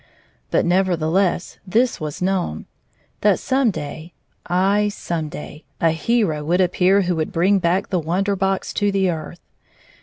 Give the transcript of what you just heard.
But nevertheless this was known : that some day — aye, some day — a hero would appear who would bring back the Wonder Box to the earth.